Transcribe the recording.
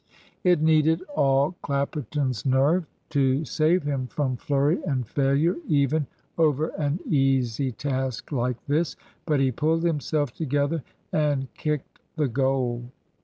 It needed all Clapperton's nerve to save him from flurry and failure even over an easy task like this. But he pulled himself together and kicked the goal.